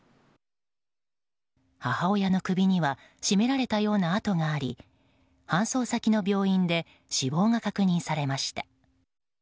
母親の首には絞められたような痕があり搬送先の病院で死亡が確認されました。